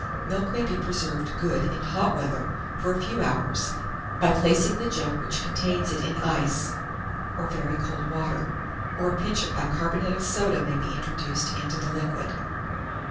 Milk may be preserved good in hot weather, for a few hours, by placing the jug which contains it in ice, or very cold water; or a pinch of bicarbonate of soda may be introduced into the liquid.